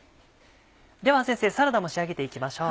では先生サラダも仕上げていきましょう。